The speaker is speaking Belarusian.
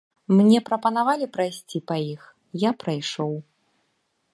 Мне прапанавалі прайсці па іх, я прайшоў.